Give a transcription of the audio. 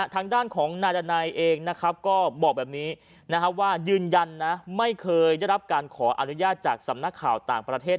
ทางด้านของนายดันัยเองนะครับก็บอกแบบนี้ว่ายืนยันนะไม่เคยได้รับการขออนุญาตจากสำนักข่าวต่างประเทศ